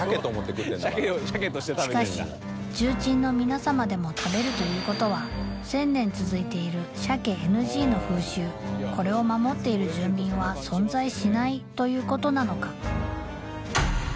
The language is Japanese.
しかし重鎮の皆様でも食べるということは千年続いている鮭ＮＧの風習これを守っている住民は存在しないということなのか？